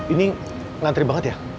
ini ngantri banget ya